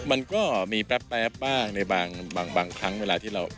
มันก็มีแป๊บบ้างในบางครั้งเวลาที่เรา